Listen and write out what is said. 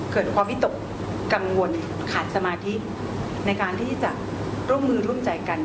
เกิดความวิตกกังวลขาดสมาธิในการที่จะร่วมมือร่วมใจกัน